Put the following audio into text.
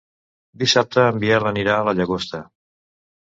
Dissabte en Biel anirà a la Llagosta.